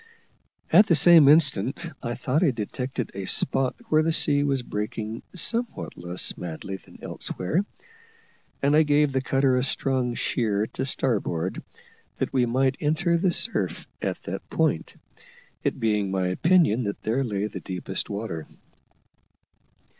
At the same instant I thought I detected a spot where the sea was breaking somewhat less madly than elsewhere, and I gave the cutter a strong sheer to starboard, that we might enter the surf at that point, it being my opinion that there lay the deepest water.